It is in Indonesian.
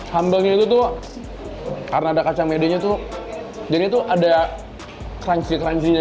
sambelnya itu karena ada kacang mede jadi itu ada crunchy crunchy nya